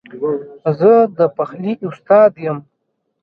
زه د پخلي استاد یم